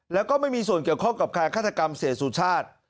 แล้วก็ไม่มีส่วนเกี่ยวข้องกับการฆาตกรรมเสียสุชาติ